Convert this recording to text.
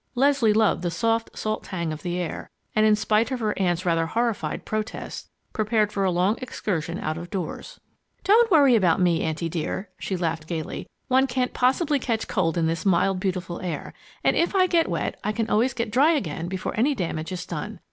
Leslie loved the soft, salt tang of the air, and in spite of her aunt's rather horrified protests, prepared for a long excursion out of doors. "Don't worry about me, Auntie dear!" she laughed gaily. "One can't possibly catch cold in this mild, beautiful air; and if I get wet, I can always get dry again before any damage is done.